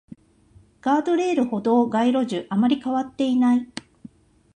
ガードレール、歩道、街路樹、あまり変わっていない